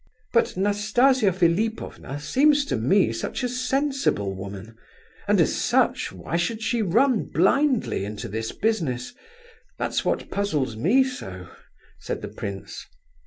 "But Nastasia Philipovna seems to me to be such a sensible woman, and, as such, why should she run blindly into this business? That's what puzzles me so," said the prince.